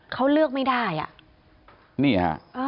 เขาเลือกไม่ได้อะ